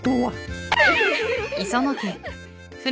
フフフ。